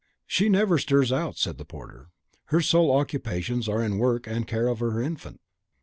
"She never stirs out," said the porter. "Her sole occupations are in work, and care of her infant."